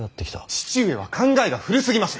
父上は考えが古すぎます！